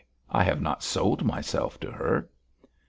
I have not sold myself to her."